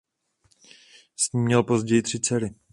S ní měl později tři dcery.